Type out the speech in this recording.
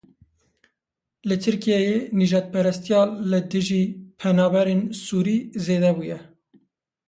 Li Tirkiyeyê nijadperestiya li dijî penaberên Sûrî zêde bûye.